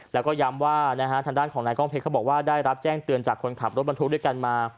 แล้วก็ย้ำว่านะฮะทางด้านของนายกล้องเพชรเขาบอกว่าได้รับแจ้งเตือนจากคนขับรถบรรทุกด้วยกันมา